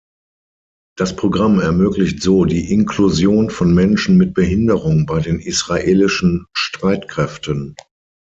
Das Programm ermöglicht so die Inklusion von Menschen mit Behinderung bei den Israelischen Streitkräften.